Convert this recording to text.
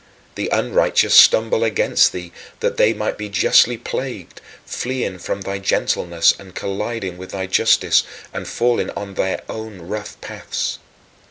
The unrighteous stumble against thee that they may be justly plagued, fleeing from thy gentleness and colliding with thy justice, and falling on their own rough paths.